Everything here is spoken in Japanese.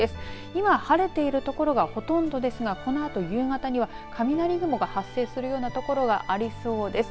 今、晴れている所がほとんどですがこのあと夕方には雷雲が発生するような所がありそうです。